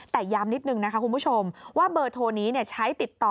แต่ย้ำนิดนึงนะคะคุณผู้ชมว่าเบอร์โทรนี้ใช้ติดต่อ